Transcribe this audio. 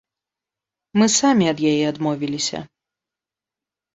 Мы самі ад яе адмовіліся.